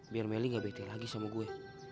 biar meli gak bete lagi sama gue